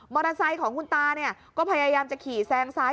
มอเตอร์ไซค์ของคุณตาก็พยายามจะขี่แซงซ้าย